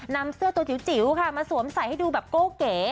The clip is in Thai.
นำเสื้อตัวจิ๋วค่ะมาสวมใส่ให้ดูแบบโก้เก๋